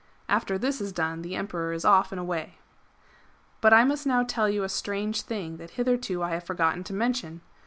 After this is done, the Emperor is off and away.'' But I must now tell you a strange thing that hitherto I have forgotten to mention.